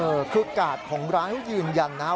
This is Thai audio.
เออคือกาศของร้านให้ยืนยันนะฮะ